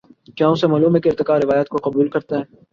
کیا اسے معلوم ہے کہ ارتقا روایت کو قبول کرتا ہے۔